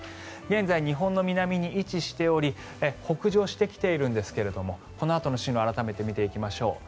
現在、日本の南に位置しており北上してきているんですけどもこのあとの進路を改めて見ていきましょう。